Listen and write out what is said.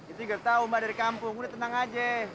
itu nggak tahu mbak dari kampung udah tenang aja